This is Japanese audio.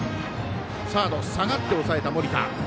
サード下がって抑えた森田。